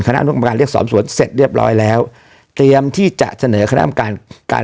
คณะกรรมการเรียกสอบสวนเสร็จเรียบร้อยแล้วเตรียมที่จะเสนอคณะกรรมการการ